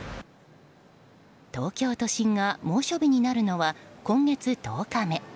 東京都心が猛暑日になるのは今月１０日目。